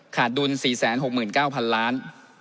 ดุล๔๖๙๐๐๐ล้าน